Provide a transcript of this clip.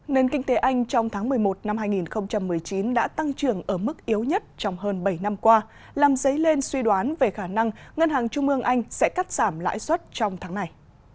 nền kinh tế anh trong tháng một mươi một năm hai nghìn một mươi chín đã tăng trưởng ở mức yếu nhất trong hơn bảy năm qua làm dấy lên suy đoán về khả năng ngân hàng trung ương anh sẽ cắt giảm lãi suất trong tháng này